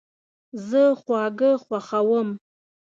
زه خواږه خوښوم